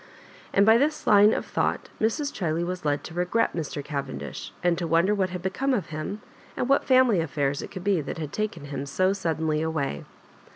And by this line of thought Mrs. Chiley was led to regret Mr. ^vendish, and to wonder what had become of him, and what fainily affaire it could be that had taken himso suddenly away.